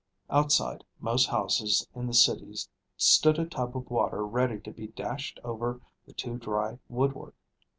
Outside most houses in the city stood a tub of water ready to be dashed over the too dry woodwork.